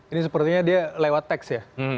ini sepertinya dia lewat teks ya